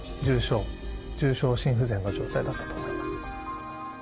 重症の心不全の状態だったと思います。